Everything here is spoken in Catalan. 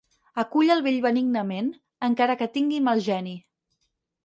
Acull el vell benignament, encara que tingui mal geni.